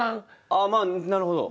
ああまあなるほど。